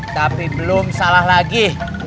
tapi belum salah lagi